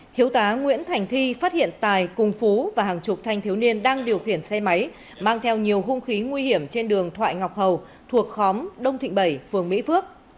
thiếu tá nguyễn thành thi phát hiện tài cùng phú và hàng chục thanh thiếu niên đang điều khiển xe máy mang theo nhiều hung khí nguy hiểm trên đường thoại ngọc hầu thuộc khóm đông thịnh bảy phường mỹ phước